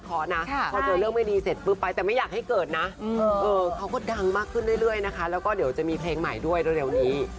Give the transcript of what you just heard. แต่ไม่อยากให้เกิดนะเขาก็ดังมากขึ้นได้เรื่อยแล้วก็เดี๋ยวจะมีเพลงใหม่ด้วยเร็วนี้